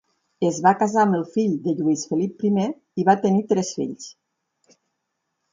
Es va casar amb el fill de Lluís Felip I i va tenir tres fills.